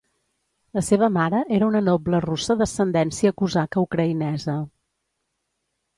La seva mare era una noble russa d'ascendència cosaca ucraïnesa.